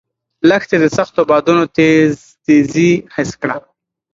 لښتې د سختو بادونو تېزي حس کړه.